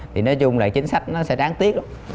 thì nói chung là chính sách nó sẽ đáng tiếc